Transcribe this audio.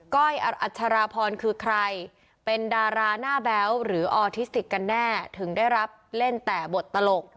้อยอัชราพรคือใครเป็นดาราหน้าแบ๊วหรือออทิสติกกันแน่ถึงได้รับเล่นแต่บทตลก